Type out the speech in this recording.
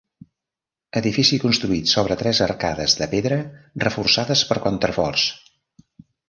Edifici construït sobre tres arcades de pedra reforçades per contraforts.